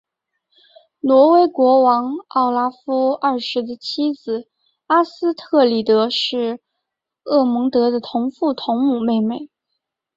挪威国王奥拉夫二世的妻子阿斯特里德是厄蒙德的同父同母妹妹。